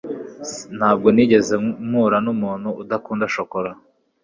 Ntabwo nigeze mpura numuntu udakunda shokora